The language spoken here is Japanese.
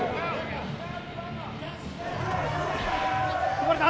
こぼれた！